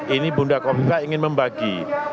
ini bunda kopi pak ingin membagi